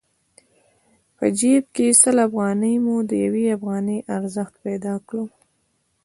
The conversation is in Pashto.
په جېب کې سل افغانۍ مو د يوې افغانۍ ارزښت پيدا کړ.